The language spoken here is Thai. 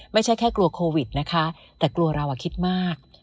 ไม่ใช่แค่กลัวโควิดนะคะแต่กลัวเราคิดมาก